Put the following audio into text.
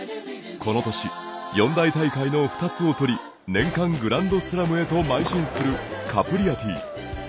この年、四大大会の２つを取り年間グランドスラムへとまい進するカプリアティ。